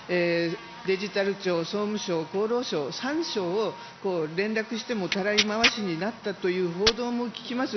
デジタル庁、総務省、厚労省、３省を連絡してもたらい回しになったという報道も聞きます。